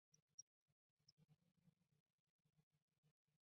现时正在建设交流道中。